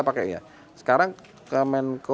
pakai ya sekarang kemenko